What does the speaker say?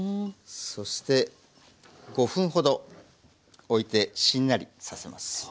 そして５分ほどおいてしんなりさせます。